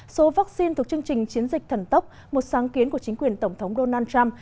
số vaccine thuộc chương trình chiến dịch thần tốc một sáng kiến của chính quyền tổng thống donald trump